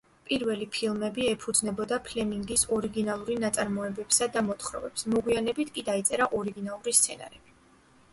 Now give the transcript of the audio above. პირველი ფილმები ეფუძნებოდა ფლემინგის ორიგინალური ნაწარმოებებსა და მოთხრობებს, მოგვიანებით კი დაიწერა ორიგინალური სცენარები.